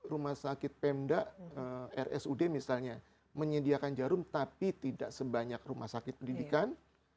rumah sakit pemda rsud misalnya menyediakan jarum tapi tidak sebanyak rumah sakit pendidikan